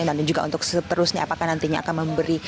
dan juga untuk seterusnya apakah nantinya akan memberi